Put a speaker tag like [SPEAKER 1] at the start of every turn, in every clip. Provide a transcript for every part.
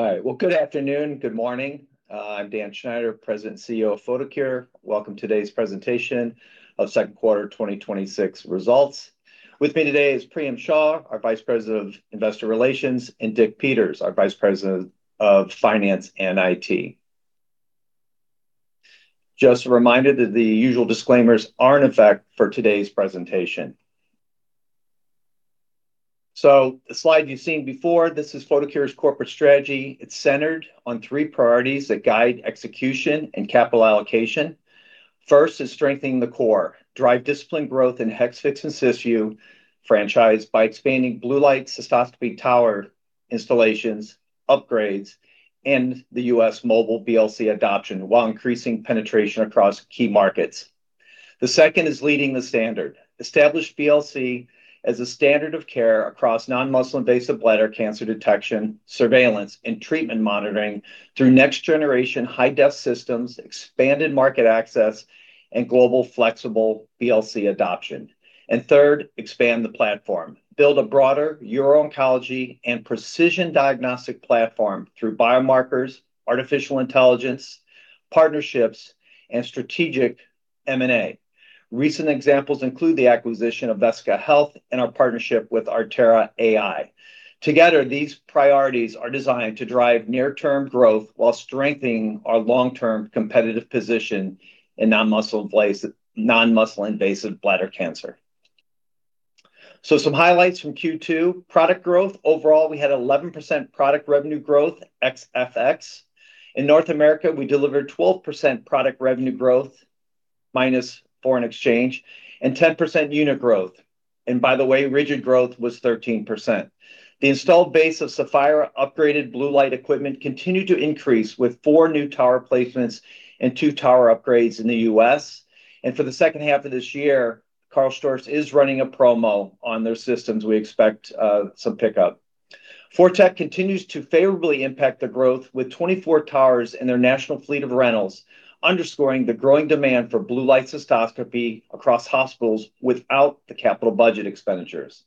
[SPEAKER 1] All right. Well, good afternoon, good morning. I'm Dan Schneider, President, CEO of Photocure. Welcome today's presentation of second quarter 2026 results. With me today is Priyam Shah, our Vice President of investor relations, and Dick Peters, our Vice President of finance and IT. Just a reminder that the usual disclaimers are in effect for today's presentation. The slide you've seen before, this is Photocure's corporate strategy. It's centered on three priorities that guide execution and capital allocation. First is strengthening the core, drive disciplined growth in Hexvix/Cysview franchise by expanding blue light cystoscopy tower installations, upgrades in the U.S. mobile BLC adoption, while increasing penetration across key markets. The second is leading the standard. Establish BLC as a standard of care across non-muscle invasive bladder cancer detection, surveillance, and treatment monitoring through next generation high-def systems, expanded market access, and global flexible BLC adoption. Third, expand the platform. Build a broader uro-oncology and precision diagnostic platform through biomarkers, artificial intelligence, partnerships, and strategic M&A. Recent examples include the acquisition of Vesica Health and our partnership with ArteraAI. Together, these priorities are designed to drive near-term growth while strengthening our long-term competitive position in non-muscle invasive bladder cancer. Some highlights from Q2. Product growth. Overall, we had 11% product revenue growth ex-FX. In North America, we delivered 12% product revenue growth minus foreign exchange, and 10% unit growth. By the way, rigid growth was 13%. The installed base of KARL STORZ SAPHIRA upgraded blue light equipment continued to increase, with four new tower placements and two tower upgrades in the U.S. For the second half of this year, Karl Storz is running a promo on those systems. We expect some pickup. ForTec continues to favorably impact the growth with 24 towers in their national fleet of rentals, underscoring the growing demand for blue light cystoscopy across hospitals without the capital budget expenditures.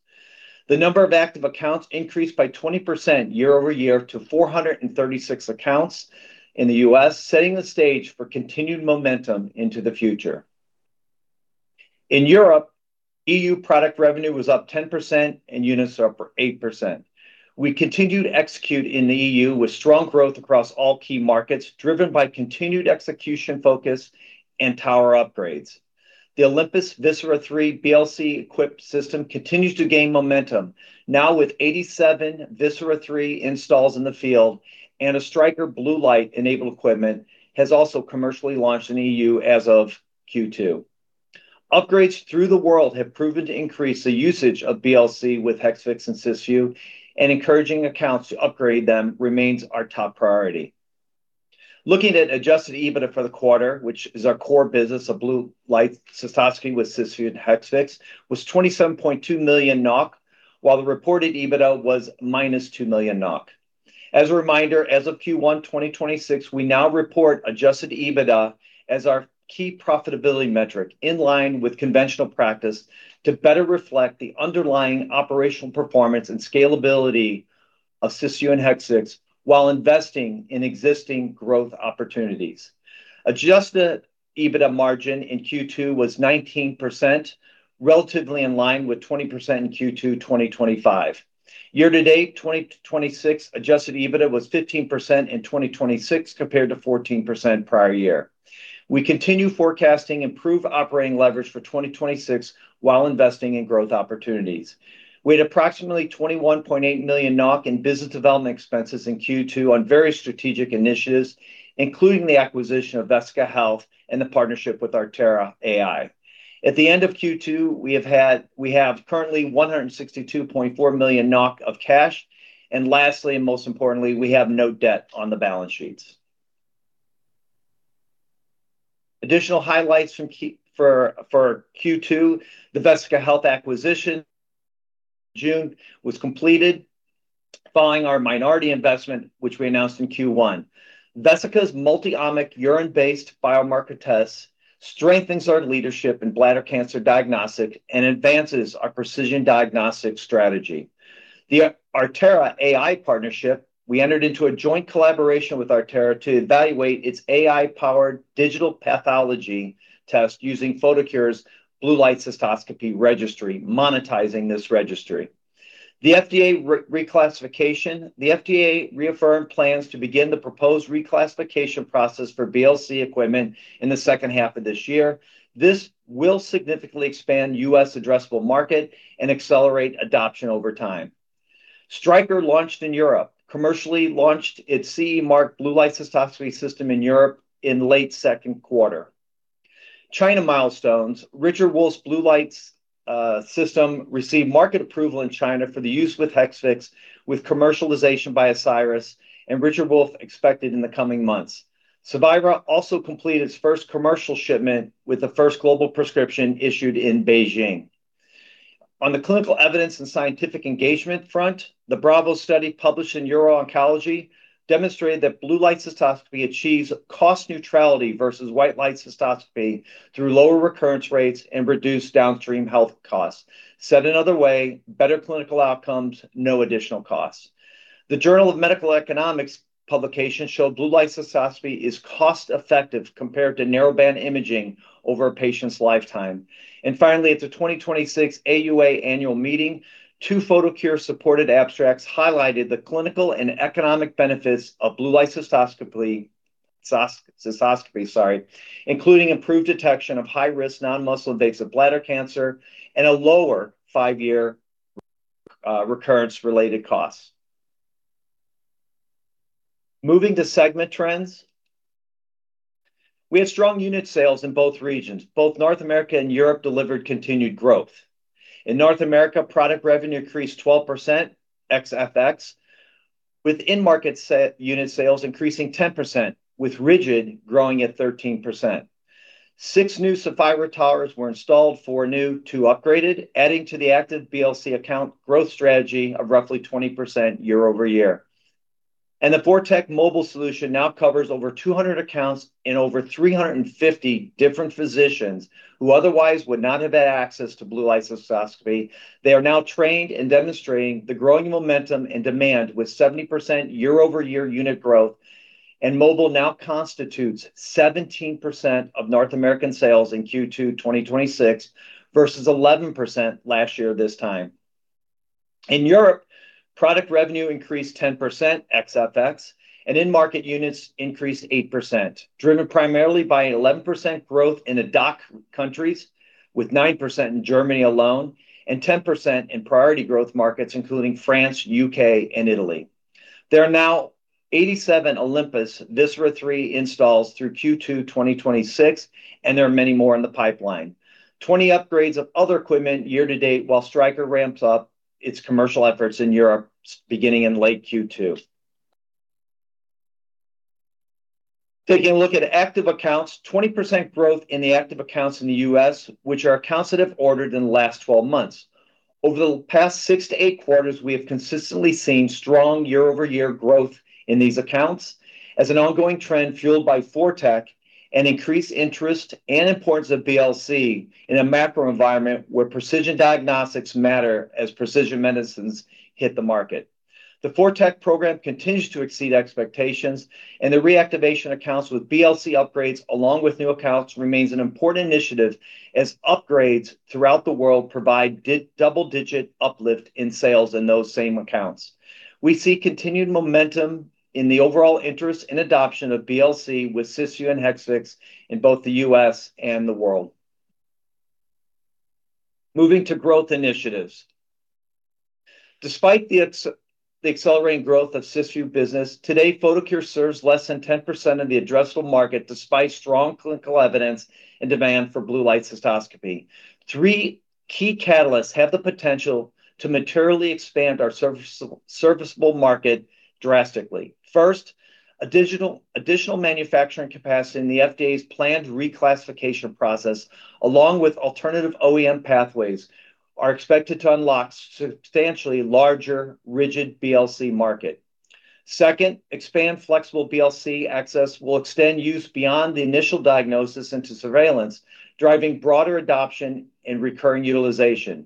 [SPEAKER 1] The number of active accounts increased by 20% year-over-year to 436 accounts in the U.S., setting the stage for continued momentum into the future. In Europe, EU product revenue was up 10% and units are up 8%. We continued to execute in the EU with strong growth across all key markets, driven by continued execution focus and tower upgrades. The Olympus VISERA ELITE III BLC-equipped system continues to gain momentum, now with 87 Olympus VISERA ELITE III installs in the field, and a Stryker blue light-enabled equipment has also commercially launched in EU as of Q2. Upgrades through the world have proven to increase the usage of BLC with Hexvix/Cysview, and encouraging accounts to upgrade them remains our top priority. Looking at adjusted EBITDA for the quarter, which is our core business of blue light cystoscopy with Hexvix/Cysview, was 27.2 million NOK, while the reported EBITDA was -2 million NOK. As a reminder, as of Q1 2026, we now report adjusted EBITDA as our key profitability metric, in line with conventional practice to better reflect the underlying operational performance and scalability of Hexvix/Cysview while investing in existing growth opportunities. Adjusted EBITDA margin in Q2 was 19%, relatively in line with 20% in Q2 2025. Year-to-date 2026, adjusted EBITDA was 15% in 2026 compared to 14% prior year. We continue forecasting improved operating leverage for 2026 while investing in growth opportunities. We had approximately 21.8 million NOK in business development expenses in Q2 on various strategic initiatives, including the acquisition of Vesica Health and the partnership with ArteraAI. At the end of Q2, we have currently 162.4 million NOK of cash. Lastly, and most importantly, we have no debt on the balance sheets. Additional highlights for Q2. The Vesica Health acquisition in June was completed following our minority investment, which we announced in Q1. Vesica Health's multiomic urine-based biomarker test strengthens our leadership in bladder cancer diagnostic and advances our precision diagnostic strategy. The ArteraAI partnership, we entered into a joint collaboration with ArteraAI to evaluate its AI-powered digital pathology test using Photocure's blue light cystoscopy registry, monetizing this registry. The FDA reclassification. The FDA reaffirmed plans to begin the proposed reclassification process for BLC equipment in the second half of this year. This will significantly expand U.S. addressable market and accelerate adoption over time. Stryker launched in Europe, commercially launched its CE mark blue light cystoscopy system in Europe in late second quarter. China milestones. Richard Wolf's blue light system received market approval in China for the use with Hexvix, with commercialization by Asieris Pharmaceuticals and Richard Wolf expected in the coming months. Cevira also completed its first commercial shipment with the first global prescription issued in Beijing. On the clinical evidence and scientific engagement front, the BRAVO study published in Uro-Oncology demonstrated that blue light cystoscopy achieves cost neutrality versus white light cystoscopy through lower recurrence rates and reduced downstream health costs. Said another way, better clinical outcomes, no additional costs. The Journal of Medical Economics publication showed blue light cystoscopy is cost-effective compared to narrowband imaging over a patient's lifetime. Finally, at the 2026 AUA annual meeting, two Photocure-supported abstracts highlighted the clinical and economic benefits of blue light cystoscopy, including improved detection of high-risk non-muscle invasive bladder cancer and a lower five-year recurrence-related costs. Moving to segment trends. We have strong unit sales in both regions. Both North America and Europe delivered continued growth. In North America, product revenue increased 12% ex-FX, with in-market unit sales increasing 10%, with rigid growing at 13%. Six new Saphira towers were installed, four new, two upgraded, adding to the active BLC account growth strategy of roughly 20% year-over-year. The ForTec Mobile solution now covers over 200 accounts and over 350 different physicians who otherwise would not have had access to blue light cystoscopy. They are now trained in demonstrating the growing momentum and demand with 70% year-over-year unit growth, mobile now constitutes 17% of North American sales in Q2 2026 versus 11% last year this time. In Europe, product revenue increased 10% ex-FX, in-market units increased 8%, driven primarily by 11% growth in the DACH countries, with 9% in Germany alone and 10% in priority growth markets, including France, U.K., and Italy. There are now 87 Olympus VISERA ELITE III installs through Q2 2026, and there are many more in the pipeline. 20 upgrades of other equipment year-to-date, while Stryker ramps up its commercial efforts in Europe beginning in late Q2. Taking a look at active accounts, 20% growth in the active accounts in the U.S., which are accounts that have ordered in the last 12 months. Over the past six to eight quarters, we have consistently seen strong year-over-year growth in these accounts as an ongoing trend fueled by ForTec and increased interest and importance of BLC in a macro environment where precision diagnostics matter as precision medicines hit the market. The ForTec program continues to exceed expectations, and the reactivation accounts with BLC upgrades, along with new accounts, remains an important initiative as upgrades throughout the world provide double-digit uplift in sales in those same accounts. We see continued momentum in the overall interest and adoption of BLC with Hexvix/Cysview in both the U.S. and the world. Moving to growth initiatives. Despite the accelerating growth of Hexvix/Cysview business, today, Photocure serves less than 10% of the addressable market, despite strong clinical evidence and demand for blue light cystoscopy. Three key catalysts have the potential to materially expand our serviceable market drastically. First, additional manufacturing capacity in the FDA's planned reclassification process, along with alternative OEM pathways, are expected to unlock substantially larger rigid BLC market. Second, expanded flexible BLC access will extend use beyond the initial diagnosis into surveillance, driving broader adoption and recurring utilization.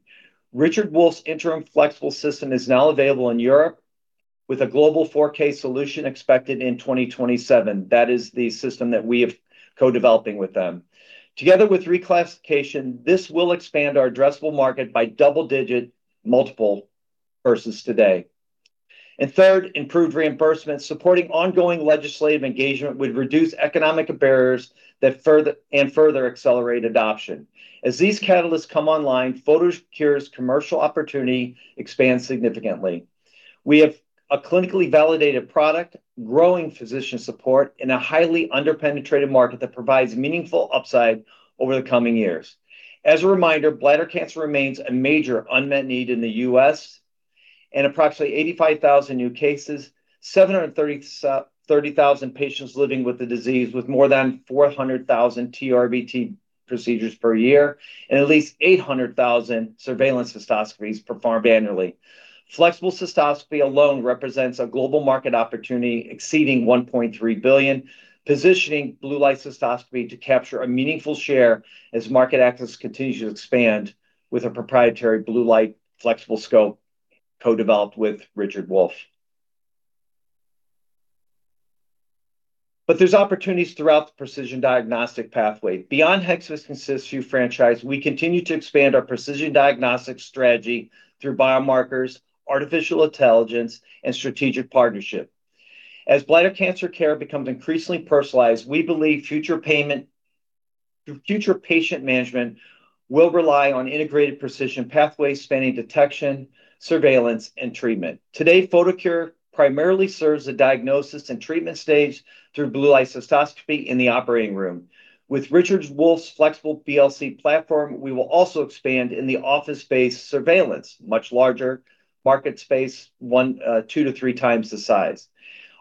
[SPEAKER 1] Richard Wolf's interim flexible system is now available in Europe, with a global 4K solution expected in 2027. That is the system that we have co-developing with them. Together with reclassification, this will expand our addressable market by double-digit multiple versus today. Third, improved reimbursement. Supporting ongoing legislative engagement would reduce economic barriers and further accelerate adoption. As these catalysts come online, Photocure's commercial opportunity expands significantly. We have a clinically validated product, growing physician support in a highly under-penetrated market that provides meaningful upside over the coming years. As a reminder, bladder cancer remains a major unmet need in the U.S. Approximately 85,000 new cases, 730,000 patients living with the disease, with more than 400,000 TURBT procedures per year and at least 800,000 surveillance cystoscopies performed annually. Flexible cystoscopy alone represents a global market opportunity exceeding 1.3 billion, positioning blue light cystoscopy to capture a meaningful share as market access continues to expand with a proprietary blue light flexible scope co-developed with Richard Wolf. There's opportunities throughout the precision diagnostic pathway. Beyond Hexvix/Cysview franchise, we continue to expand our precision diagnostics strategy through biomarkers, artificial intelligence, and strategic partnership. As bladder cancer care becomes increasingly personalized, we believe future patient management will rely on integrated precision pathways spanning detection, surveillance, and treatment. Today, Photocure primarily serves the diagnosis and treatment stage through blue light cystoscopy in the operating room. With Richard Wolf's flexible BLC platform, we will also expand in the office-based surveillance, much larger market space, two to three times the size.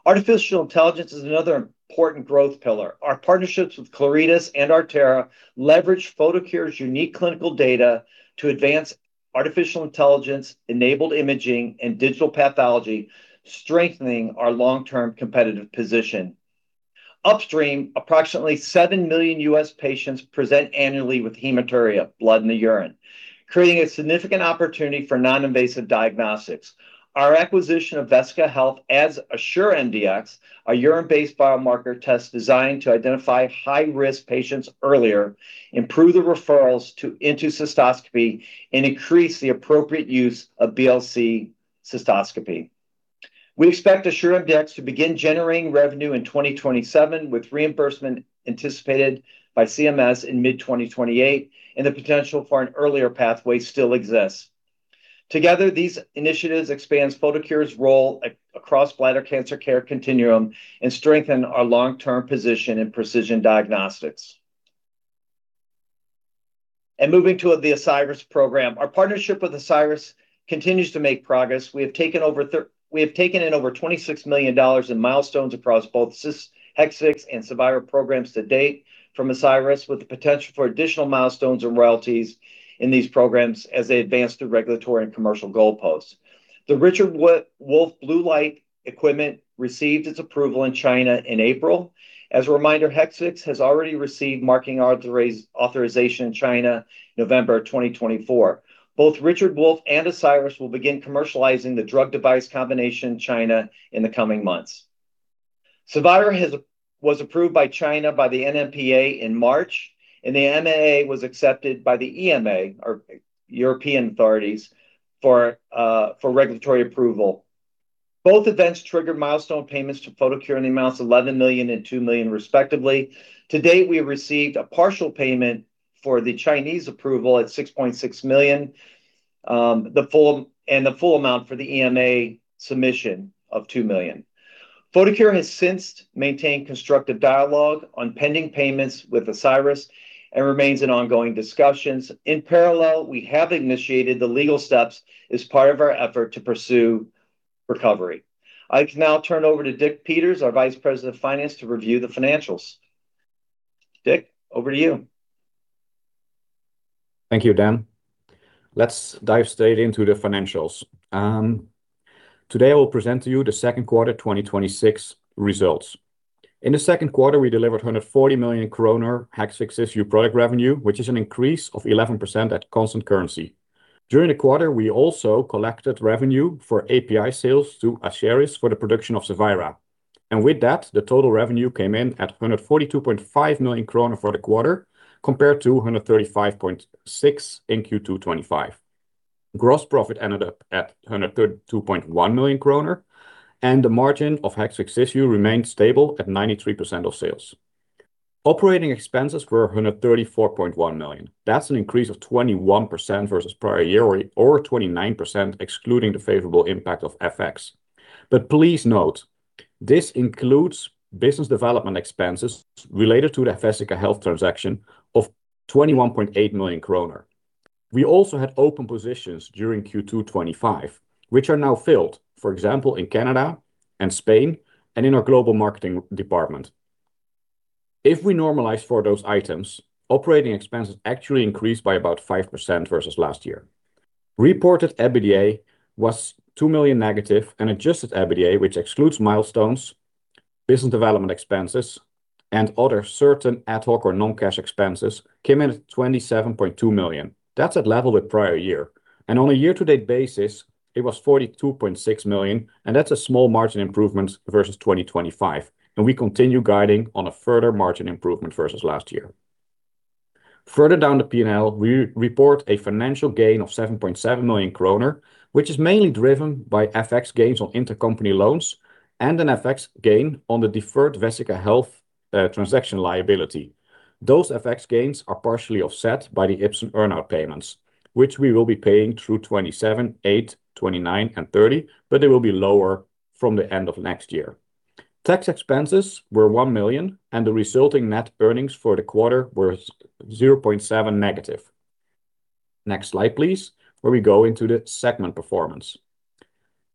[SPEAKER 1] Artificial intelligence is another important growth pillar. Our partnerships with Claritas HealthTech and ArteraAI leverage Photocure's unique clinical data to advance artificial intelligence-enabled imaging and digital pathology to Strengthening our long-term competitive position. Upstream, approximately seven million U.S. patients present annually with hematuria, blood in the urine, creating a significant opportunity for non-invasive diagnostics. Our acquisition of Vesica Health adds AssureMDx, a urine-based biomarker test designed to identify high-risk patients earlier, improve the referrals into cystoscopy, and increase the appropriate use of BLC cystoscopy. We expect AssureMDx to begin generating revenue in 2027, with reimbursement anticipated by CMS in mid-2028, and the potential for an earlier pathway still exists. Together, these initiatives expands Photocure's role across bladder cancer care continuum and strengthen our long-term position in precision diagnostics. Moving to the Asieris Pharmaceuticals program. Our partnership with Asieris Pharmaceuticals continues to make progress. We have taken in over NOK 26 million in milestones across both Hexvix/Cevira programs to date from Asieris Pharmaceuticals, with the potential for additional milestones and royalties in these programs as they advance through regulatory and commercial goalposts. The Richard Wolf blue light equipment received its approval in China in April. As a reminder, Hexvix has already received marketing authorization in China, November 2024. Both Richard Wolf and Asieris Pharmaceuticals will begin commercializing the drug device combination in China in the coming months. Cevira was approved by China by the NMPA in March, and the MAA was accepted by the EMA or European authorities for regulatory approval. Both events triggered milestone payments to Photocure in the amounts 11 million and 2 million respectively. To date, we have received a partial payment for the Chinese approval at 6.6 million, and the full amount for the EMA submission of 2 million. Photocure has since maintained constructive dialogue on pending payments with Asieris and remains in ongoing discussions. In parallel, we have initiated the legal steps as part of our effort to pursue recovery. I can now turn over to Dick Peters, our Vice President of Finance, to review the financials. Dick, over to you.
[SPEAKER 2] Thank you, Dan. Let's dive straight into the financials. Today I will present to you the second quarter 2026 results. In the second quarter, we delivered 140 million kroner Hexvix product revenue, which is an increase of 11% at constant currency. During the quarter, we also collected revenue for API sales to Asieris Pharmaceuticals for the production of Cevira. With that, the total revenue came in at 142.5 million krone for the quarter, compared to 135.6 in Q2 2025. Gross profit ended up at 132.1 million krone, and the margin of Hexvix remained stable at 93% of sales. Operating expenses were 134.1 million. That's an increase of 21% versus prior year or 29%, excluding the favorable impact of FX. Please note, this includes business development expenses related to the Vesica Health transaction of 21.8 million kroner. We also had open positions during Q2 2025, which are now filled, for example, in Canada and Spain and in our global marketing department. If we normalize for those items, operating expenses actually increased by about 5% versus last year. Reported EBITDA was -2 million and adjusted EBITDA, which excludes milestones, business development expenses, and other certain ad hoc or non-cash expenses, came in at 27.2 million. That's at level with prior year. On a year-to-date basis, it was 42.6 million, and that's a small margin improvement versus 2025, and we continue guiding on a further margin improvement versus last year. Further down the P&L, we report a financial gain of 7.7 million kroner, which is mainly driven by FX gains on intercompany loans and an FX gain on the deferred Vesica Health transaction liability. Those FX gains are partially offset by the Ipsen earn-out payments, which we will be paying through 2027, 2028, 2029, and 2030. They will be lower from the end of next year. Tax expenses were 1 million, and the resulting net earnings for the quarter were -0.7. Next slide, please, where we go into the segment performance.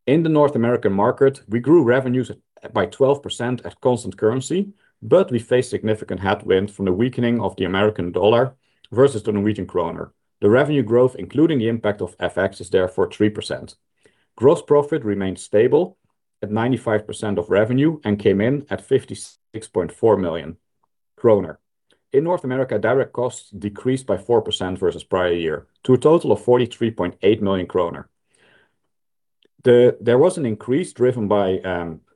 [SPEAKER 2] In the North American market, we grew revenues by 12% at constant currency. We faced significant headwind from the weakening of the U.S. dollar versus the NOK. The revenue growth, including the impact of FX, is therefore 3%. Gross profit remained stable at 95% of revenue and came in at 56.4 million kroner. In North America, direct costs decreased by 4% versus prior year, to a total of 43.8 million kroner. There was an increase driven by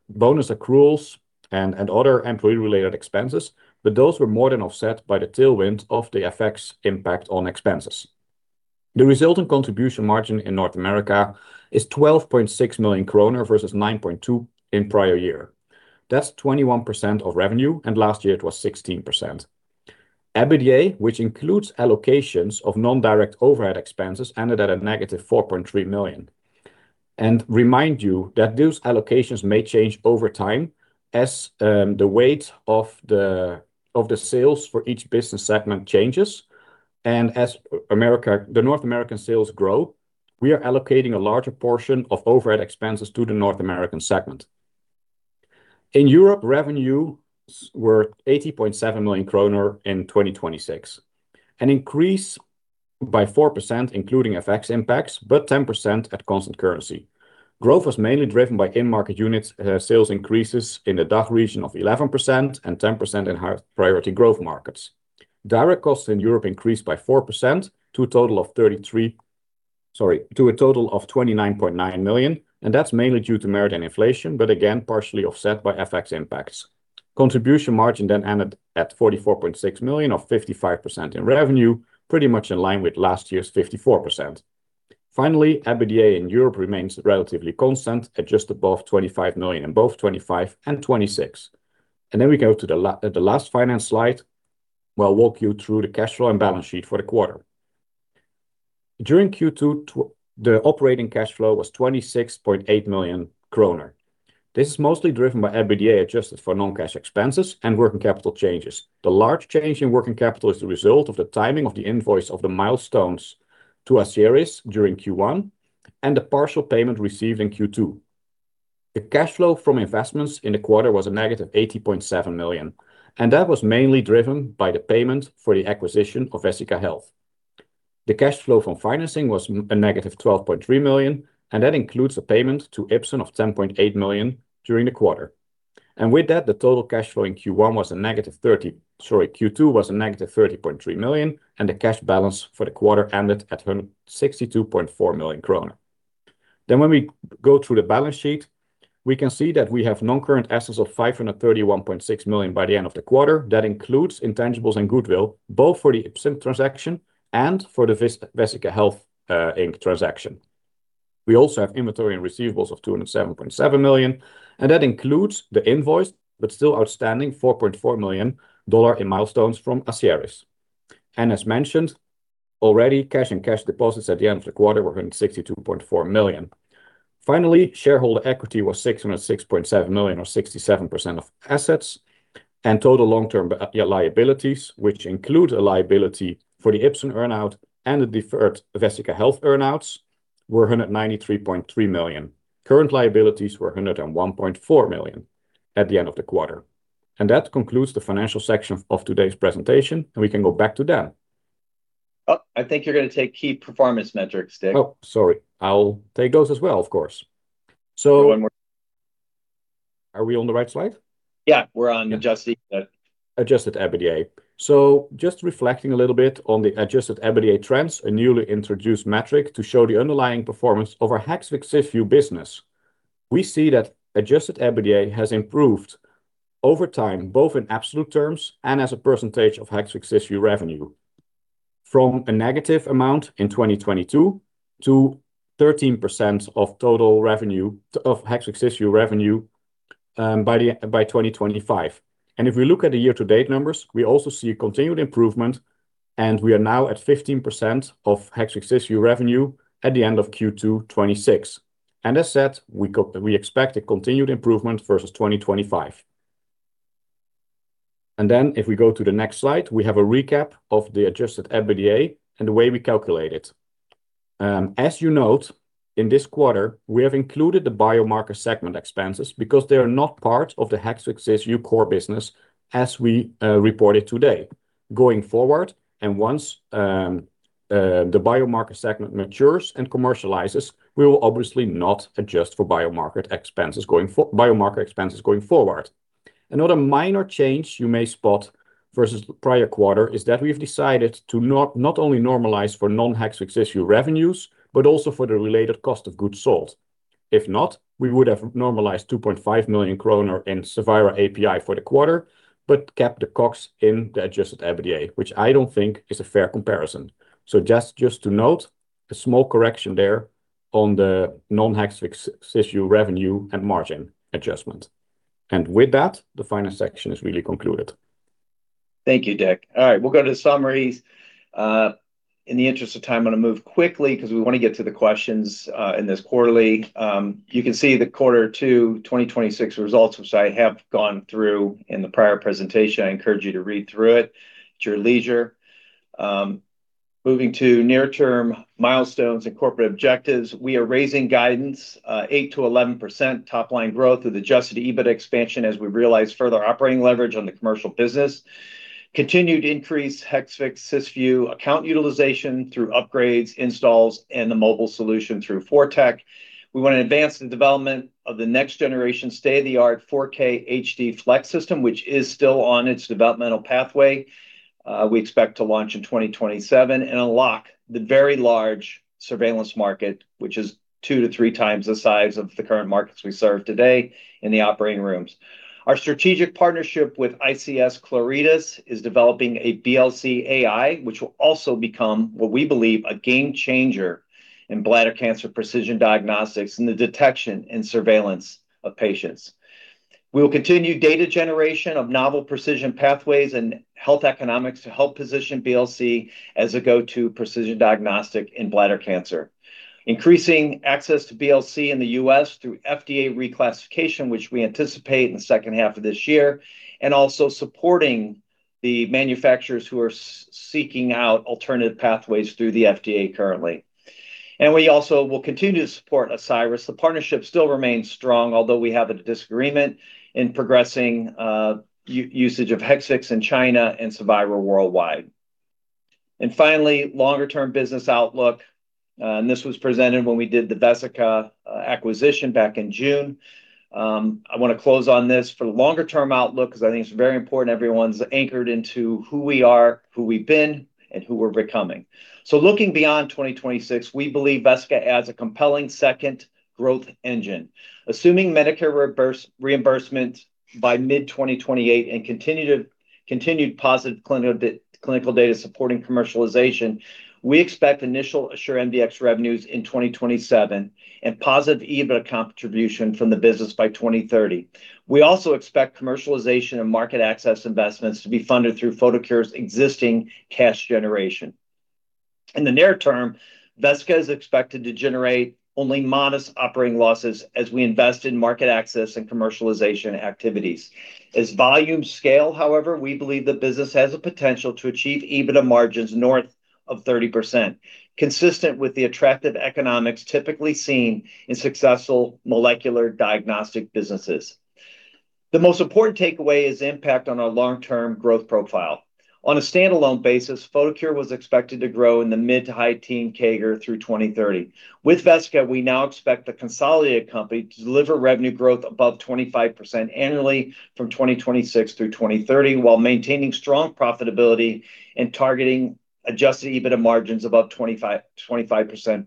[SPEAKER 2] bonus accruals and other employee-related expenses, but those were more than offset by the tailwind of the FX impact on expenses. The resulting contribution margin in North America is 12.6 million kroner versus 9.2 in prior year. That's 21% of revenue, and last year it was 16%. EBITDA, which includes allocations of non-direct overhead expenses, ended at -4.3 million. Remind you that those allocations may change over time as the weight of the sales for each business segment changes. As the North American sales grow, we are allocating a larger portion of overhead expenses to the North American segment. In Europe, revenues were 80.7 million kroner in 2026, an increase by 4%, including FX impacts, but 10% at constant currency. Growth was mainly driven by in-market unit sales increases in the DACH region of 11% and 10% in higher priority growth markets. Direct costs in Europe increased by 4% to a total of 29.9 million, and that's mainly due to merit and inflation, but again, partially offset by FX impacts. Contribution margin then ended at 44.6 million, or 55% in revenue, pretty much in line with last year's 54%. Finally, EBITDA in Europe remains relatively constant at just above 25 million in both 2025 and 2026. We go to the last finance slide, where I'll walk you through the cash flow and balance sheet for the quarter. During Q2, the operating cash flow was 26.8 million kroner. This is mostly driven by EBITDA, adjusted for non-cash expenses and working capital changes. The large change in working capital is the result of the timing of the invoice of the milestones to Asieris Pharmaceuticals during Q1 and the partial payment received in Q2. The cash flow from investments in the quarter was NOK negative 80.7 million. That was mainly driven by the payment for the acquisition of Vesica Health. The cash flow from financing was NOK negative 12.3 million. That includes a payment to Ipsen of 10.8 million during the quarter. With that, the total cash flow in Q2 was -30.3 million, and the cash balance for the quarter ended at 162.4 million krone. When we go through the balance sheet, we can see that we have non-current assets of 531.6 million by the end of the quarter. That includes intangibles and goodwill, both for the Ipsen transaction and for the Vesica Health, Inc transaction. We also have inventory and receivables of 207.7 million. That includes the invoice, but still outstanding $4.4 million in milestones from Asieris Pharmaceuticals. As mentioned already, cash and cash deposits at the end of the quarter were 162.4 million. Finally, shareholder equity was 606.7 million, or 67% of assets. Total long-term liabilities, which include a liability for the Ipsen earn-out and the deferred Vesica Health earn-outs, were 193.3 million. Current liabilities were 101.4 million at the end of the quarter. That concludes the financial section of today's presentation, and we can go back to Dan.
[SPEAKER 1] Oh, I think you're going to take key performance metrics, Dick.
[SPEAKER 2] Oh, sorry. I'll take those as well, of course.
[SPEAKER 1] One more-
[SPEAKER 2] Are we on the right slide?
[SPEAKER 1] Yeah. We are on adjusted EBITDA.
[SPEAKER 2] Adjusted EBITDA. Just reflecting a little bit on the adjusted EBITDA trends, a newly introduced metric to show the underlying performance of our Hexvix/Cysview business. We see that adjusted EBITDA has improved over time, both in absolute terms and as a percentage of Hexvix/Cysview revenue, from a negative amount in 2022 to 13% of Hexvix/Cysview revenue by 2025. If we look at the year-to-date numbers, we also see continued improvement, and we are now at 15% of Hexvix/Cysview revenue at the end of Q2 2026. As said, we expect a continued improvement versus 2025. If we go to the next slide, we have a recap of the adjusted EBITDA and the way we calculate it. As you note, in this quarter, we have included the biomarker segment expenses because they are not part of the Hexvix/Cysview core business as we report it today. Going forward, once the biomarker segment matures and commercializes, we will obviously not adjust for biomarker expenses going forward. Another minor change you may spot versus the prior quarter is that we've decided to not only normalize for non-Hexvix/Cysview revenues, but also for the related cost of goods sold. If not, we would have normalized 2.5 million kroner in Cevira API for the quarter, but kept the COGS in the adjusted EBITDA, which I don't think is a fair comparison. Just to note, a small correction there on the non-Hexvix/Cysview revenue and margin adjustment. With that, the finance section is really concluded.
[SPEAKER 1] Thank you, Dick. All right. We'll go to summaries. In the interest of time, I'm going to move quickly because we want to get to the questions in this quarterly. You can see the quarter two 2026 results, which I have gone through in the prior presentation. I encourage you to read through it at your leisure. Moving to near-term milestones and corporate objectives. We are raising guidance 8%-11% top line growth through the adjusted EBIT expansion as we realize further operating leverage on the commercial business. Continued increase Hexvix/Cysview account utilization through upgrades, installs, and the mobile solution through ForTec. We want to advance the development of the next generation state-of-the-art 4K HD Flex system, which is still on its developmental pathway we expect to launch in 2027 and unlock the very large surveillance market, which is two to three times the size of the current markets we serve today in the operating rooms. Our strategic partnership with ISC Claritas HealthTech is developing a BLC AI, which will also become what we believe a game changer in bladder cancer precision diagnostics in the detection and surveillance of patients. We will continue data generation of novel precision pathways and health economics to help position BLC as a go-to precision diagnostic in bladder cancer. Increasing access to BLC in the U.S. through FDA reclassification, which we anticipate in the second half of this year, also supporting the manufacturers who are seeking out alternative pathways through the FDA currently. We also will continue to support Asieris. The partnership still remains strong, although we have a disagreement in progressing usage of Hexvix in China and Cevira worldwide. Finally, longer-term business outlook, this was presented when we did the Vesica Health acquisition back in June. I want to close on this for the longer term outlook because I think it's very important everyone's anchored into who we are, who we've been, and who we're becoming. Looking beyond 2026, we believe Vesica Health adds a compelling second growth engine. Assuming Medicare reimbursement by mid-2028 and continued positive clinical data supporting commercialization, we expect initial AssureMDx revenues in 2027 and positive EBITDA contribution from the business by 2030. We also expect commercialization and market access investments to be funded through Photocure's existing cash generation. In the near term, Vesica Health is expected to generate only modest operating losses as we invest in market access and commercialization activities. As volumes scale, however, we believe the business has a potential to achieve EBITDA margins north of 30%, consistent with the attractive economics typically seen in successful molecular diagnostic businesses. The most important takeaway is the impact on our long-term growth profile. On a standalone basis, Photocure was expected to grow in the mid to high teen CAGR through 2030. With Vesica Health, we now expect the consolidated company to deliver revenue growth above 25% annually from 2026 through 2030, while maintaining strong profitability and targeting adjusted EBITDA margins above 25%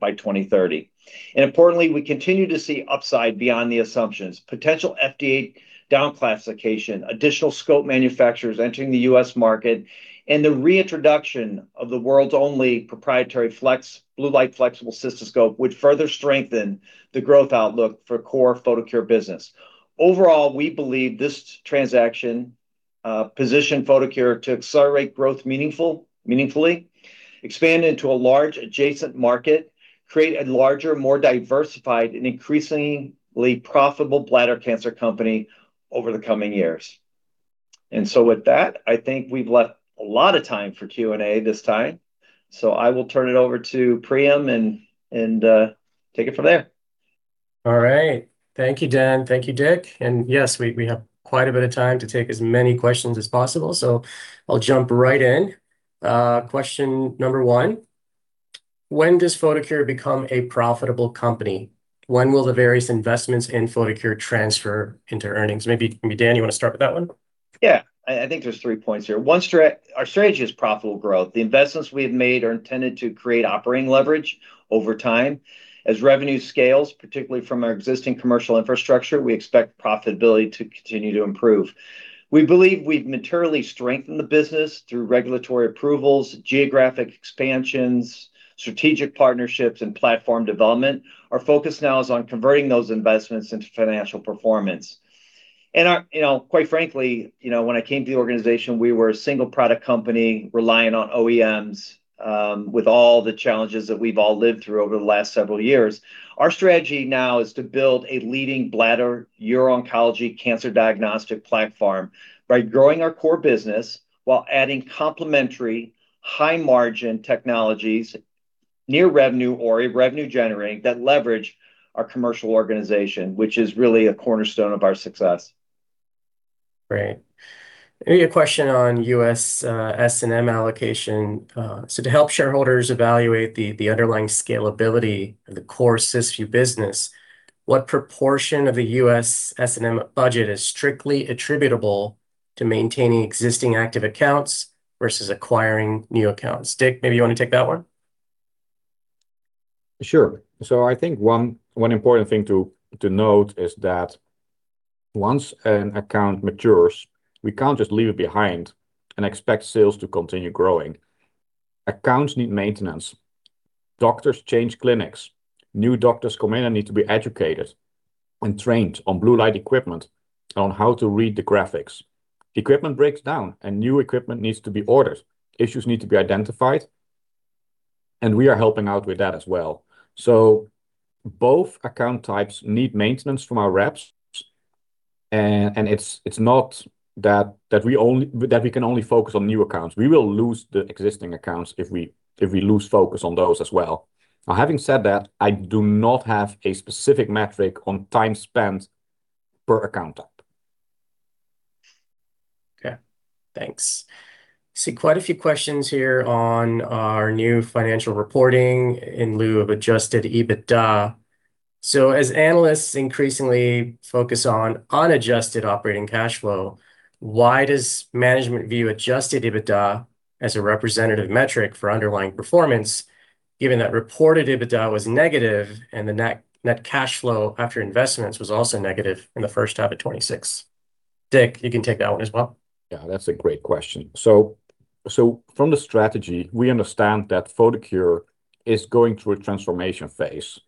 [SPEAKER 1] by 2030. Importantly, we continue to see upside beyond the assumptions. Potential FDA down-classification, additional scope manufacturers entering the U.S. market, and the reintroduction of the world's only proprietary blue light flexible cystoscope would further strengthen the growth outlook for core Photocure business. Overall, we believe this transaction positioned Photocure to accelerate growth meaningfully, expand into a large adjacent market, create a larger, more diversified, and increasingly profitable bladder cancer company over the coming years. With that, I think we've left a lot of time for Q&A this time. I will turn it over to Priyam and take it from there.
[SPEAKER 3] All right. Thank you, Dan. Thank you, Dick. Yes, we have quite a bit of time to take as many questions as possible, I'll jump right in. Question number one, when does Photocure become a profitable company? When will the various investments in Photocure transfer into earnings? Maybe, Dan, you want to start with that one?
[SPEAKER 1] I think there's three points here. One, our strategy is profitable growth. The investments we have made are intended to create operating leverage over time. As revenue scales, particularly from our existing commercial infrastructure, we expect profitability to continue to improve. We believe we've materially strengthened the business through regulatory approvals, geographic expansions, strategic partnerships, and platform development. Our focus now is on converting those investments into financial performance. Quite frankly, when I came to the organization, we were a single product company relying on OEMs, with all the challenges that we've all lived through over the last several years. Our strategy now is to build a leading bladder Uro-Oncology cancer diagnostic platform by growing our core business while adding complementary high-margin technologies, near revenue or revenue generating that leverage our commercial organization, which is really a cornerstone of our success.
[SPEAKER 3] Great. Maybe a question on U.S. S&M allocation. To help shareholders evaluate the underlying scalability of the core Cysview business, what proportion of the U.S. S&M budget is strictly attributable to maintaining existing active accounts versus acquiring new accounts? Dick, maybe you want to take that one?
[SPEAKER 2] Sure. I think one important thing to note is that once an account matures, we can't just leave it behind and expect sales to continue growing. Accounts need maintenance. Doctors change clinics. New doctors come in and need to be educated and trained on blue light equipment on how to read the graphics. Equipment breaks down, and new equipment needs to be ordered. Issues need to be identified, and we are helping out with that as well. Both account types need maintenance from our reps, and it's not that we can only focus on new accounts. We will lose the existing accounts if we lose focus on those as well. Now, having said that, I do not have a specific metric on time spent per account type.
[SPEAKER 3] Okay, thanks. I see quite a few questions here on our new financial reporting in lieu of adjusted EBITDA. As analysts increasingly focus on unadjusted operating cash flow, why does management view adjusted EBITDA as a representative metric for underlying performance, given that reported EBITDA was negative and the net cash flow after investments was also negative in the first half of 2026? Dick, you can take that one as well.
[SPEAKER 2] Yeah, that's a great question. From the strategy, we understand that Photocure is going through a transformation phase.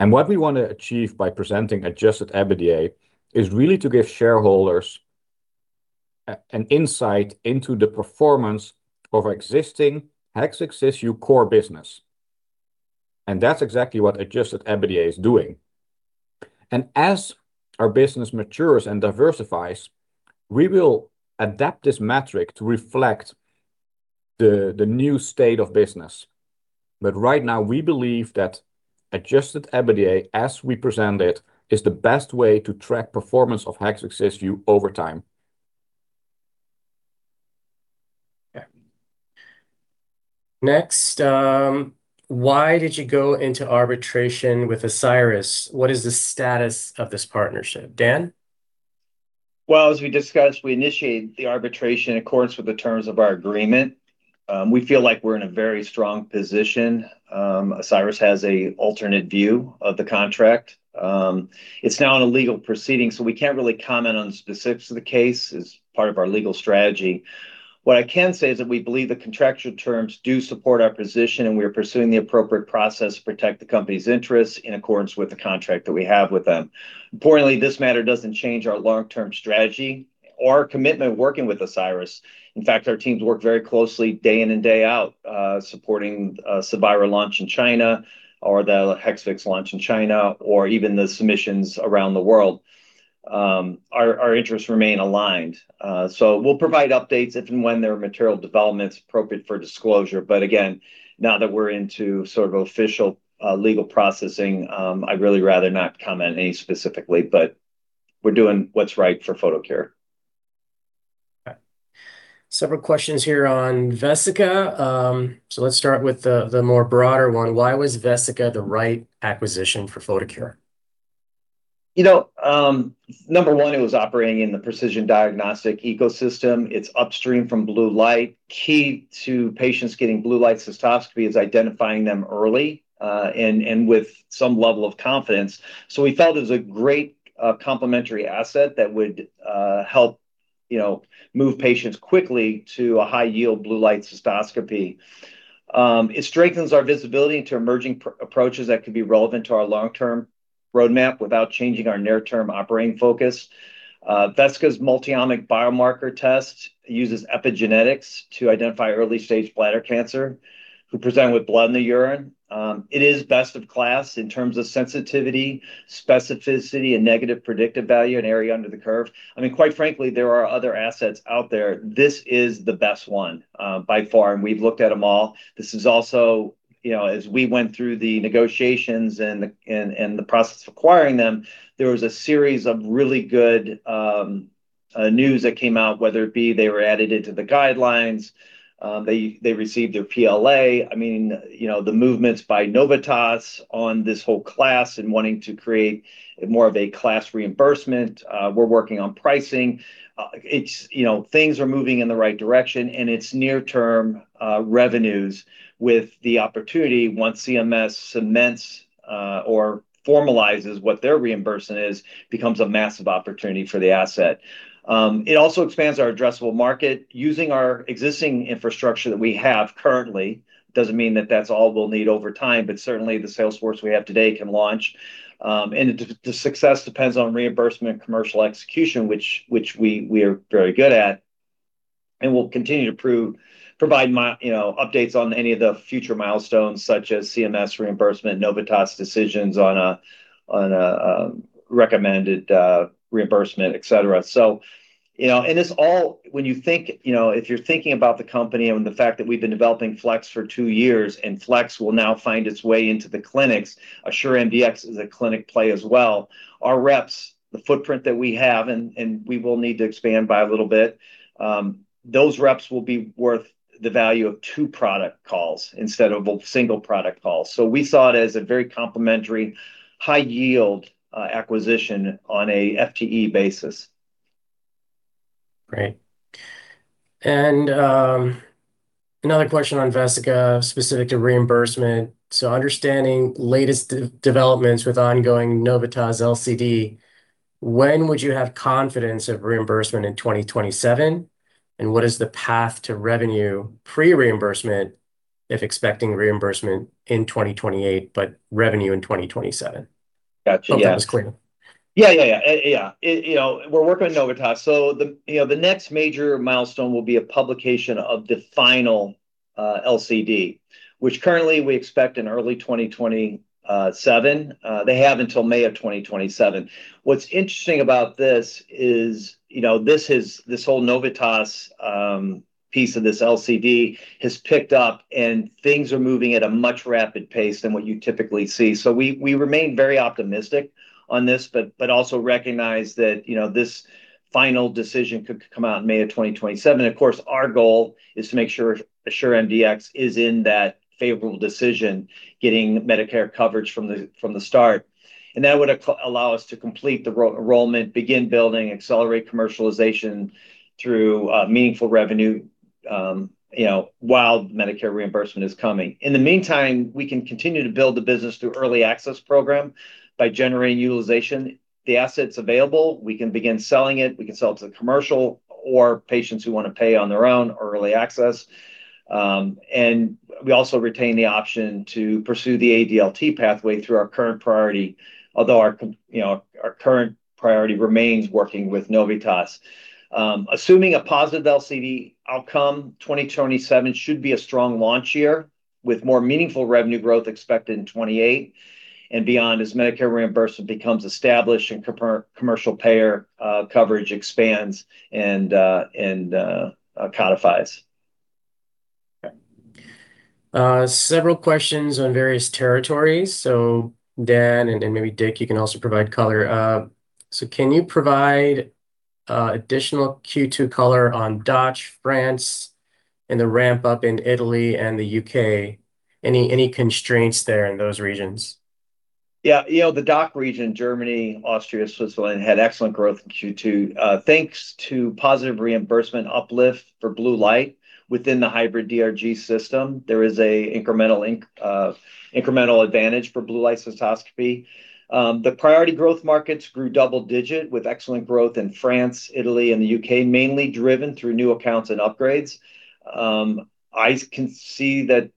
[SPEAKER 2] What we want to achieve by presenting adjusted EBITDA is really to give shareholders an insight into the performance of existing Hexvix/Cysview core business. That's exactly what adjusted EBITDA is doing. As our business matures and diversifies, we will adapt this metric to reflect the new state of business. Right now, we believe that adjusted EBITDA, as we present it, is the best way to track performance of Hexvix/Cysview over time.
[SPEAKER 3] Yeah. Next, why did you go into arbitration with Asieris Pharmaceuticals? What is the status of this partnership? Dan?
[SPEAKER 1] Well, as we discussed, we initiated the arbitration in accordance with the terms of our agreement. We feel like we're in a very strong position. Asieris Pharmaceuticals has an alternate view of the contract. It's now in a legal proceeding, we can't really comment on the specifics of the case as part of our legal strategy. What I can say is that we believe the contractual terms do support our position, and we are pursuing the appropriate process to protect the company's interests in accordance with the contract that we have with them. Importantly, this matter doesn't change our long-term strategy or commitment working with Asieris Pharmaceuticals. In fact, our teams work very closely day in and day out, supporting the Cevira launch in China or the Hexvix launch in China, or even the submissions around the world. Our interests remain aligned. We'll provide updates if and when there are material developments appropriate for disclosure. Again, now that we're into sort of official legal processing, I'd really rather not comment any specifically, but we're doing what's right for Photocure.
[SPEAKER 3] Okay. Several questions here on Vesica Health. Let's start with the more broader one. Why was Vesica Health the right acquisition for Photocure?
[SPEAKER 1] Number one, it was operating in the precision diagnostic ecosystem. It's upstream from blue light. Key to patients getting blue light cystoscopy is identifying them early and with some level of confidence. We felt it was a great complementary asset that would help move patients quickly to a high-yield blue light cystoscopy. It strengthens our visibility into emerging approaches that could be relevant to our long-term roadmap without changing our near-term operating focus. Vesica Health's multiomic biomarker test uses epigenetics to identify early-stage bladder cancer who present with blood in the urine. It is best of class in terms of sensitivity, specificity, and negative predictive value and area under the curve. Quite frankly, there are other assets out there. This is the best one by far, and we've looked at them all. This is also, as we went through the negotiations and the process of acquiring them, there was a series of really good news that came out, whether it be they were added into the guidelines, they received their PLA. The movements by Novitas Solutions on this whole class and wanting to create more of a class reimbursement. We're working on pricing. Things are moving in the right direction, and it's near-term revenues with the opportunity, once CMS cements or formalizes what their reimbursement is, becomes a massive opportunity for the asset. It also expands our addressable market using our existing infrastructure that we have currently. Doesn't mean that that's all we'll need over time, but certainly the sales force we have today can launch. The success depends on reimbursement commercial execution, which we are very good at, and we'll continue to provide updates on any of the future milestones, such as CMS reimbursement, Novitas Solutions decisions on a recommended reimbursement, et cetera. If you're thinking about the company and the fact that we've been developing Flex for two years and Flex will now find its way into the clinics, AssureMDx is a clinic play as well. Our reps, the footprint that we have, and we will need to expand by a little bit. Those reps will be worth the value of two product calls instead of a single product call. We saw it as a very complementary, high-yield acquisition on a FTE basis.
[SPEAKER 3] Great. Another question on Vesica Health specific to reimbursement. Understanding latest developments with ongoing Novitas Solutions LCD, when would you have confidence of reimbursement in 2027? What is the path to revenue pre-reimbursement if expecting reimbursement in 2028, but revenue in 2027?
[SPEAKER 1] Got you. Yes.
[SPEAKER 3] Hope that was clear.
[SPEAKER 1] We're working with Novitas Solutions, the next major milestone will be a publication of the final LCD, which currently we expect in early 2027. They have until May of 2027. What's interesting about this is, this whole Novitas piece of this LCD has picked up, and things are moving at a much rapid pace than what you typically see. We remain very optimistic on this, but also recognize that this final decision could come out in May of 2027. Of course, our goal is to make sure AssureMDx is in that favorable decision, getting Medicare coverage from the start. That would allow us to complete the enrollment, begin building, accelerate commercialization through meaningful revenue while Medicare reimbursement is coming. In the meantime, we can continue to build the business through early access program by generating utilization. The asset's available, we can begin selling it. We can sell it to the commercial or patients who want to pay on their own early access. We also retain the option to pursue the ADLT pathway through our current priority, although our current priority remains working with Novitas Solutions. Assuming a positive LCD outcome, 2027 should be a strong launch year with more meaningful revenue growth expected in 2028 and beyond, as Medicare reimbursement becomes established and commercial payer coverage expands and codifies.
[SPEAKER 3] Okay. Several questions on various territories. Dan, and maybe Dick, you can also provide color. Can you provide additional Q2 color on DACH, France, and the ramp-up in Italy and the U.K.? Any constraints there in those regions?
[SPEAKER 1] Yeah. The DACH region, Germany, Austria, Switzerland, had excellent growth in Q2. Thanks to positive reimbursement uplift for blue light within the hybrid DRG system, there is an incremental advantage for blue light cystoscopy. The priority growth markets grew double-digit with excellent growth in France, Italy, and the U.K., mainly driven through new accounts and upgrades. I can see that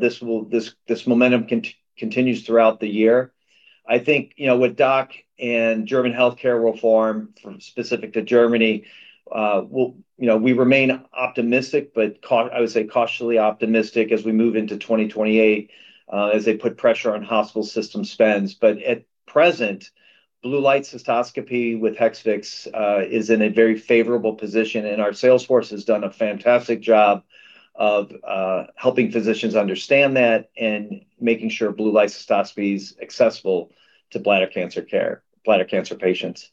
[SPEAKER 1] this momentum continues throughout the year. I think, with DACH and German healthcare reform, from specific to Germany, we remain optimistic, but I would say cautiously optimistic as we move into 2028, as they put pressure on hospital system spends. At present, blue light cystoscopy with Hexvix is in a very favorable position, and our sales force has done a fantastic job of helping physicians understand that and making sure blue light cystoscopy is accessible to bladder cancer care, bladder cancer patients.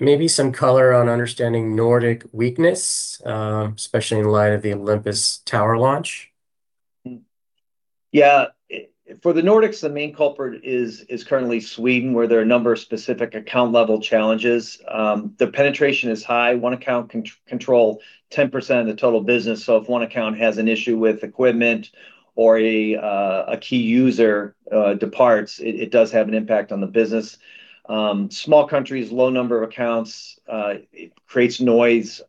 [SPEAKER 3] Maybe some color on understanding Nordic weakness, especially in light of the Olympus Tower launch.
[SPEAKER 1] Yeah. For the Nordics, the main culprit is currently Sweden, where there are a number of specific account-level challenges. The penetration is high. One account can control 10% of the total business, so if one account has an issue with equipment or a key user departs, it does have an impact on the business. Small countries, low number of accounts, it creates noise.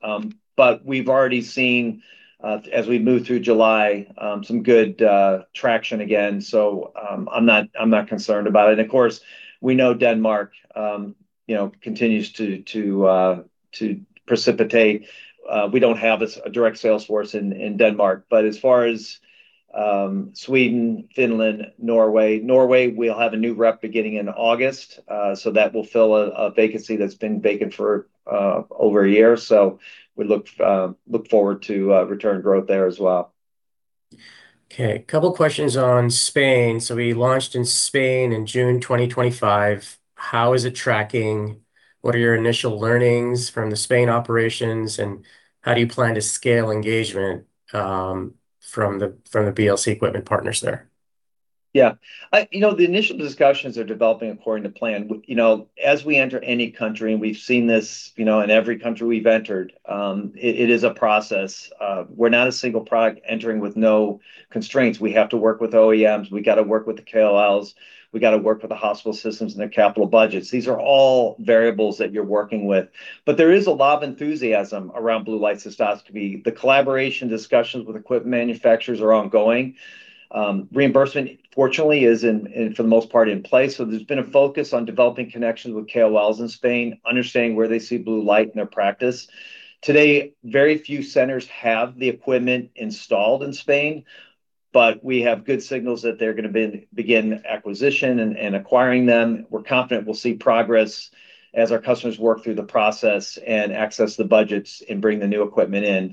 [SPEAKER 1] We've already seen, as we move through July, some good traction again, so I'm not concerned about it. Of course, we know Denmark continues to precipitate. We don't have a direct sales force in Denmark. As far as Sweden, Finland, Norway will have a new rep beginning in August, so that will fill a vacancy that's been vacant for over a year. We look forward to return growth there as well.
[SPEAKER 3] Okay. Couple questions on Spain. We launched in Spain in June 2025. How is it tracking? What are your initial learnings from the Spain operations, and how do you plan to scale engagement from the BLC equipment partners there?
[SPEAKER 1] The initial discussions are developing according to plan. As we enter any country, and we've seen this in every country we've entered, it is a process. We're not a single product entering with no constraints. We have to work with OEMs, we got to work with the KOLs, we got to work with the hospital systems and their capital budgets. These are all variables that you're working with. There is a lot of enthusiasm around blue light cystoscopy. The collaboration discussions with equipment manufacturers are ongoing. Reimbursement, fortunately, is for the most part in place. There's been a focus on developing connections with KOLs in Spain, understanding where they see blue light in their practice. Today, very few centers have the equipment installed in Spain, but we have good signals that they're going to begin acquisition and acquiring them. We're confident we'll see progress as our customers work through the process and access the budgets and bring the new equipment in.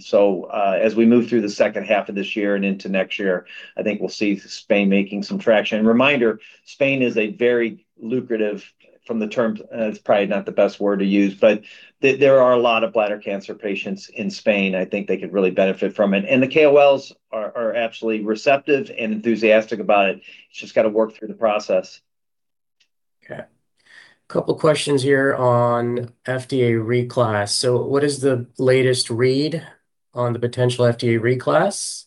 [SPEAKER 1] As we move through the second half of this year and into next year, I think we'll see Spain making some traction. Reminder, Spain is a very lucrative, from the term, it's probably not the best word to use, but there are a lot of bladder cancer patients in Spain. I think they could really benefit from it. The KOLs are absolutely receptive and enthusiastic about it. It's just got to work through the process.
[SPEAKER 3] Couple questions here on FDA reclass. What is the latest read on the potential FDA reclass,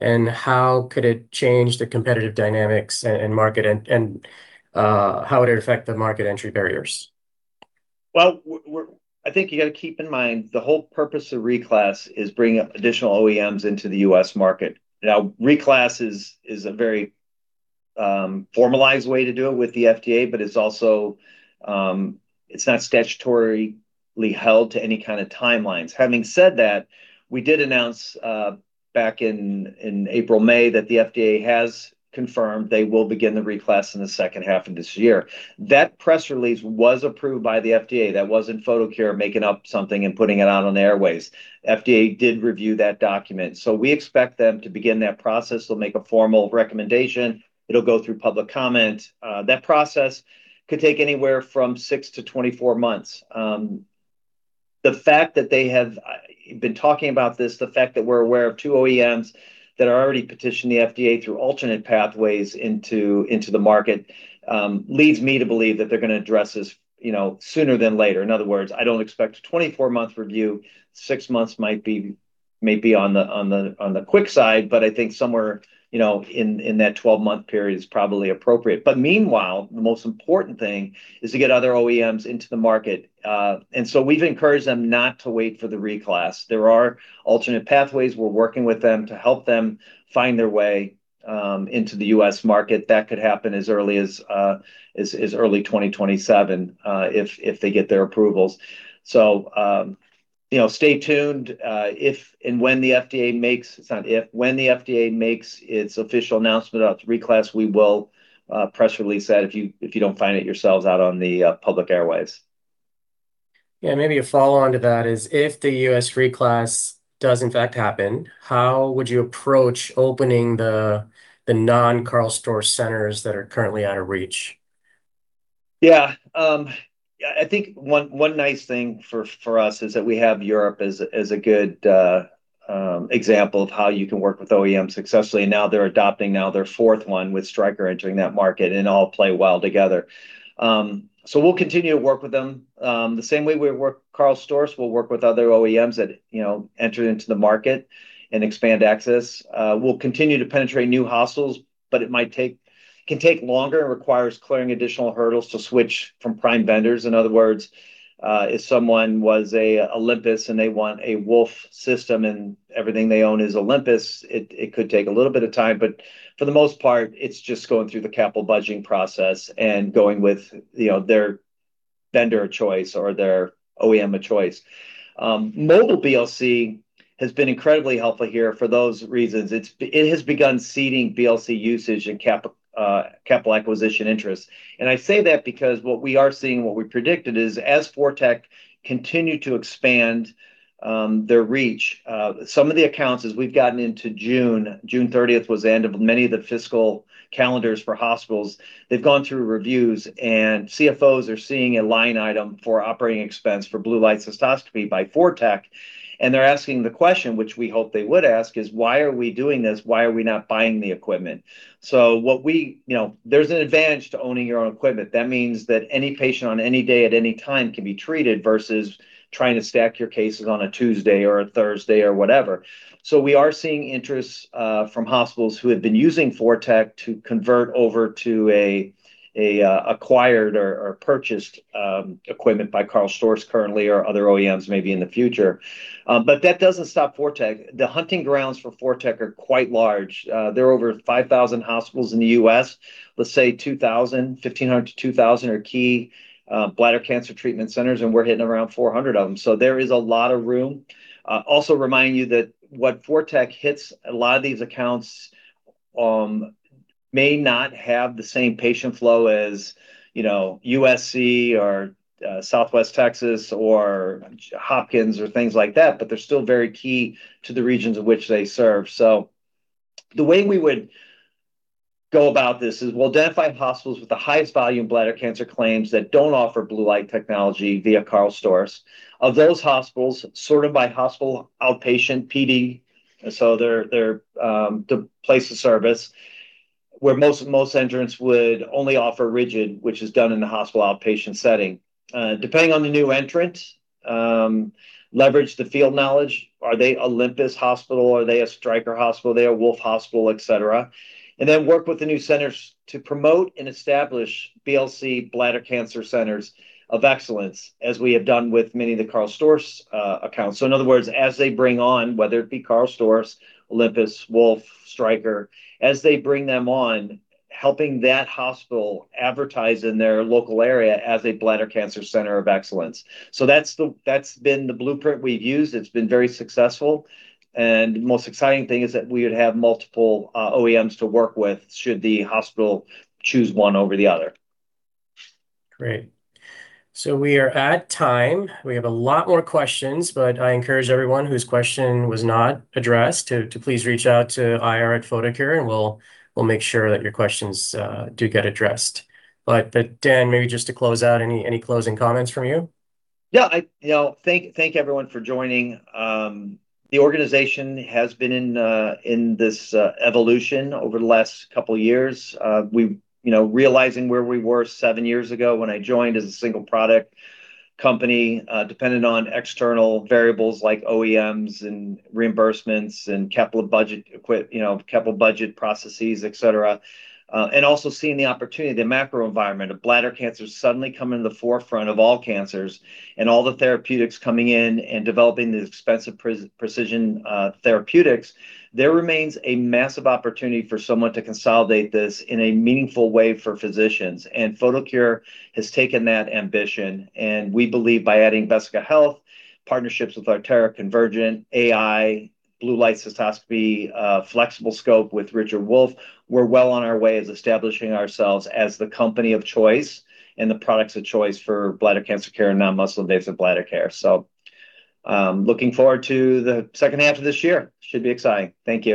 [SPEAKER 3] and how could it change the competitive dynamics and market, and how would it affect the market entry barriers?
[SPEAKER 1] I think you got to keep in mind, the whole purpose of reclass is bringing up additional OEMs into the U.S. market. Reclass is a very formalized way to do it with the FDA, but it's not statutorily held to any kind of timelines. Having said that, we did announce, back in April, May, that the FDA has confirmed they will begin the reclass in the second half of this year. That press release was approved by the FDA. That wasn't Photocure making up something and putting it out on Airways. FDA did review that document. We expect them to begin that process. They'll make a formal recommendation. It'll go through public comment. That process could take anywhere from 6- 24 months. The fact that they have been talking about this, the fact that we're aware of two OEMs that are already petitioned the FDA through alternate pathways into the market, leads me to believe that they're going to address this sooner than later. In other words, I don't expect 24-month review. Six months might be on the quick side, but I think somewhere in that 12-month period is probably appropriate. Meanwhile, the most important thing is to get other OEMs into the market. We've encouraged them not to wait for the reclass. There are alternate pathways. We're working with them to help them find their way into the U.S. market. That could happen as early as 2027 if they get their approvals. Stay tuned. If and when the FDA makes, it's not if, when the FDA makes its official announcement about the reclass, we will press release that if you don't find it yourselves out on the public airwaves.
[SPEAKER 3] Yeah, maybe a follow-on to that is if the U.S. reclass does in fact happen, how would you approach opening the non-Karl Storz centers that are currently out of reach?
[SPEAKER 1] Yeah. I think one nice thing for us is that we have Europe as a good example of how you can work with OEM successfully. Now they're adopting their fourth one with Stryker entering that market, and all play well together. We'll continue to work with them. The same way we work Karl Storz, we'll work with other OEMs that enter into the market and expand access. We'll continue to penetrate new hospitals, but it can take longer and requires clearing additional hurdles to switch from prime vendors. In other words, if someone was a Olympus and they want a Wolf system and everything they own is Olympus, it could take a little bit of time, but for the most part it's just going through the capital budgeting process and going with their vendor of choice or their OEM of choice. Mobile BLC has been incredibly helpful here for those reasons. It has begun seeding BLC usage and capital acquisition interests. I say that because what we are seeing, what we predicted is as ForTec continue to expand their reach some of the accounts as we've gotten into June 30th was the end of many of the fiscal calendars for hospitals. They've gone through reviews and CFOs are seeing a line item for operating expense for blue light cystoscopy by ForTec, and they're asking the question, which we hope they would ask, is, why are we doing this? Why are we not buying the equipment? There's an advantage to owning your own equipment. That means that any patient on any day at any time can be treated versus trying to stack your cases on a Tuesday or a Thursday or whatever. We are seeing interests from hospitals who have been using ForTec to convert over to acquired or purchased equipment by Karl Storz currently, or other OEMs maybe in the future. That doesn't stop ForTec. The hunting grounds for ForTec are quite large. There are over 5,000 hospitals in the U.S., let's say 2,000, 1,500-2,000 are key bladder cancer treatment centers, and we're hitting around 400 of them. There is a lot of room. Also remind you that what ForTec hits, a lot of these accounts may not have the same patient flow as USC or Southwest Texas or Hopkins or things like that, but they're still very key to the regions of which they serve. The way we would go about this is we'll identify hospitals with the highest volume bladder cancer claims that don't offer blue light technology via Karl Storz. Of those hospitals, sort them by hospital outpatient PD, their place of service, where most entrants would only offer rigid, which is done in the hospital outpatient setting. Depending on the new entrant, leverage the field knowledge. Are they Olympus hospital? Are they a Stryker hospital? Are they a Wolf hospital, et cetera. Then work with the new centers to promote and establish BLC bladder cancer centers of excellence, as we have done with many of the Karl Storz accounts. In other words, as they bring on, whether it be Karl Storz, Olympus, Wolf, Stryker, as they bring them on, helping that hospital advertise in their local area as a bladder cancer center of excellence. That's been the blueprint we've used. It's been very successful, most exciting thing is that we would have multiple OEMs to work with should the hospital choose one over the other.
[SPEAKER 3] Great. We are at time. We have a lot more questions, but I encourage everyone whose question was not addressed to please reach out to IR at Photocure, and we'll make sure that your questions do get addressed. Dan, maybe just to close out, any closing comments from you?
[SPEAKER 1] Thank everyone for joining. The organization has been in this evolution over the last couple of years. Realizing where we were seven years ago when I joined as a single product company, dependent on external variables like OEMs and reimbursements and capital budget processes, et cetera. Also seeing the opportunity, the macro environment of bladder cancer suddenly coming to the forefront of all cancers and all the therapeutics coming in and developing the expensive precision therapeutics. There remains a massive opportunity for someone to consolidate this in a meaningful way for physicians. Photocure has taken that ambition, and we believe by adding Vesica Health, partnerships with ArteraAI, [ConvergentAI, blue light cystoscopy, flexible scope with Richard Wolf, we're well on our way as establishing ourselves as the company of choice and the products of choice for bladder cancer care and non-muscle invasive bladder care. Looking forward to the second half of this year. Should be exciting. Thank you